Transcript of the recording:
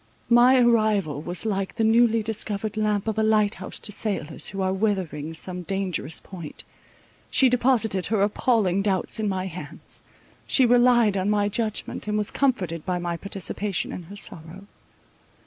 My arrival was like the newly discovered lamp of a lighthouse to sailors, who are weathering some dangerous point. She deposited her appalling doubts in my hands; she relied on my judgment, and was comforted by my participation in her sorrow.